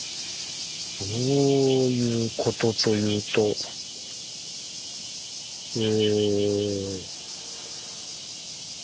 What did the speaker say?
どういうことというとえ。